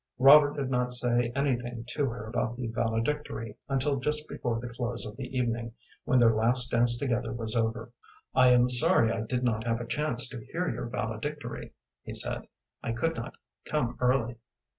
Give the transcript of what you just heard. Robert did not say anything to her about the valedictory until just before the close of the evening, when their last dance together was over. "I am sorry I did not have a chance to hear your valedictory," he said. "I could not come early."